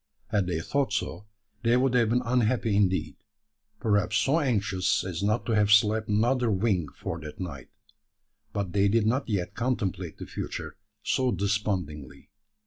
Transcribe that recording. Had they thought so, they would have been unhappy indeed perhaps so anxious as not to have slept another wink for that night. But they did not yet contemplate the future so despondingly.